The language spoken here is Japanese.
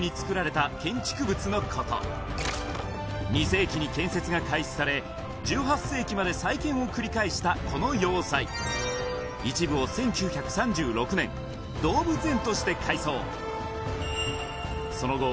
２世紀に建設が開始され１８世紀まで再建を繰り返したこの要塞一部を１９３６年動物園として改装その後